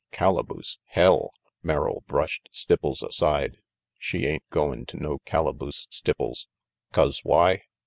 "Calaboose? Hell!" Merrill brushed Stipples aside. "She ain't goin' to no calaboose, Stipples. 'Cause why?